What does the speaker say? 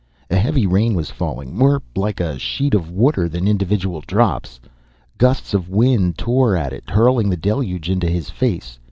A heavy rain was falling, more like a sheet of water than individual drops. Gusts of wind tore at it, hurling the deluge into his face.